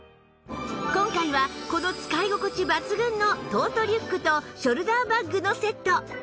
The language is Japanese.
今回はこの使い心地抜群のトートリュックとショルダーバッグのセット